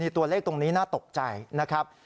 ตัวเลขตรงนี้น่าตกใจนะครับ